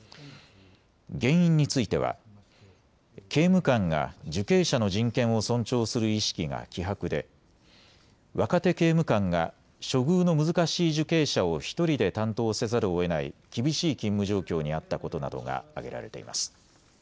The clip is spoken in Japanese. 原因については刑務官が受刑者の人権を尊重する意識が希薄で若手刑務官が処遇の難しい受刑者を１人で担当せざるをえない厳しい勤務状況にあったことなどが挙げられています。